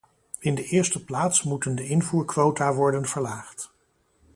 In de eerste plaats moeten de invoerquota worden verlaagd.